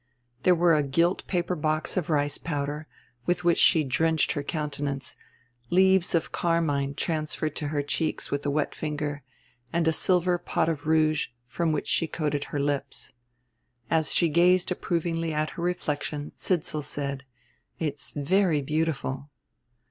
There were a gilt paper box of rice powder, with which she drenched her countenance, leaves of carmine transferred to her cheeks with a wet finger, and a silver pot of rouge from which she coated her lips. As she gazed approvingly at her reflection Sidsall said: "It's very beautiful."